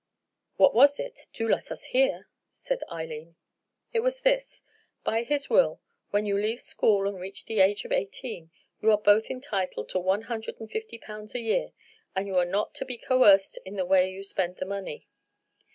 "What was it? Do let us hear," said Eileen. "It was this: By his will, when you leave school and reach the age of eighteen, you are both entitled to one hundred and fifty pounds a year, and you are not to be coerced in the way you spend the money."